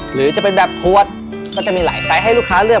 หรือจะเป็นแบบขวดก็จะมีหลายไซส์ให้ลูกค้าเลือก